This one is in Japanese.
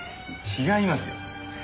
違いますよ。